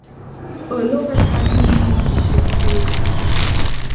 เปิดโลกทัศน์มุมมองของเด็กครู